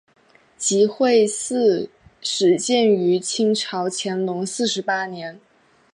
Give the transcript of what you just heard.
集惠寺始建于清朝乾隆四十八年。